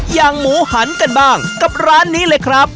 อย่างหมูหันกันบ้างกับร้านนี้เลยครับ